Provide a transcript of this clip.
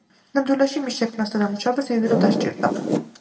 სინამდვილეში, მის შექმნას და დამუშავებას დიდი დრო დასჭირდა.